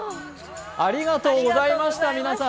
ありがとうございました、皆さん。